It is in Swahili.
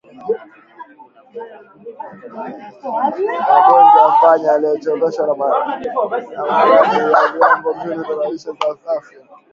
magonjwa ya wanyama uliochapishwa na Mradi wa Viwango Mbinu na Taratibu za Afya